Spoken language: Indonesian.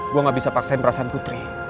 gue gak bisa paksain perasaan putri